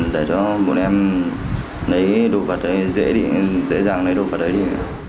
để cho bọn em lấy đồ vật ấy dễ đi dễ dàng lấy đồ vật ấy đi